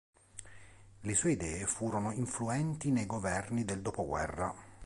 Le sue idee furono influenti nei governi del dopoguerra.